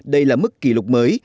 đây là mức kỷ lục mới